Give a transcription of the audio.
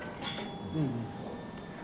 うん。